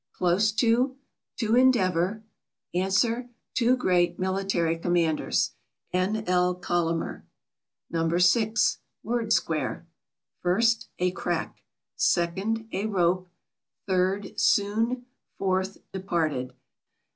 Close to. To endeavor. Answer two great military commanders. N. L. COLLAMER. No. 6. WORD SQUARE. First, a crack. Second, a rope. Third, soon. Fourth, departed.